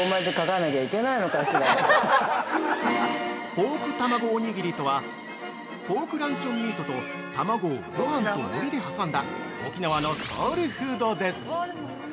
◆ポークたまごおにぎりとはポークランチョンミートと卵をごはんとノリで挟んだ沖縄のソウルフードです。